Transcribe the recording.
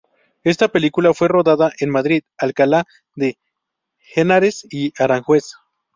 Esta película fue rodada en Madrid, Alcalá de Henares y Aranjuez.